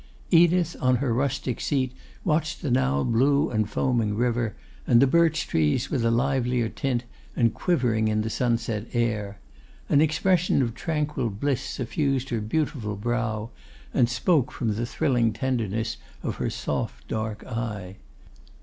Edith on her rustic seat watched the now blue and foaming river, and the birch trees with a livelier tint, and quivering in the sunset air; an expression of tranquil bliss suffused her beautiful brow, and spoke from the thrilling tenderness of her soft dark eye.